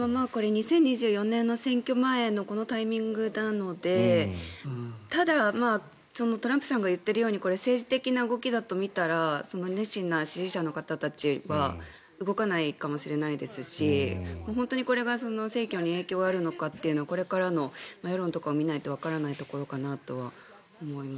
２０２４年の選挙前のこのタイミングなのでただ、トランプさんが言っているように政治的な動きだと見たら熱心な支持者の方たちは動かないかもしれないですし本当にこれが選挙に影響があるのかというのはこれからの世論とかを見ないとわからないところかなと思います。